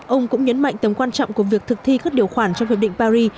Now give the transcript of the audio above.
ông cũng nhấn mạnh tầm quan trọng của việc thực thi các điều khoản trong hiệp định paris